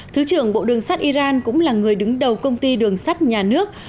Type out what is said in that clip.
thứ trưởng bộ đường sắt iran cũng là người đứng đầu công ty đường sắt nhà nước